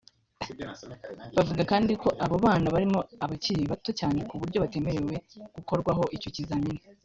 Bavuga kandi ko abo bana barimo abakiri bato cyane ku buryo batemerewe gukorwaho icyo kizamini